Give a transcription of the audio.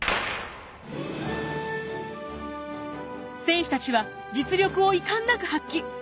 選手たちは実力を遺憾なく発揮。